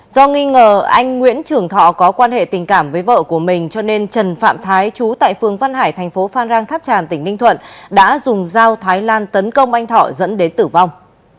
do nghi ngờ anh nguyễn trường thọ có quan hệ tình cảm với vợ của mình cho nên trần phạm thái chú tại phường văn hải thành phố phan rang tháp tràm tỉnh ninh thuận đã dùng dao thái lan tấn công anh thọ dẫn đến tử vong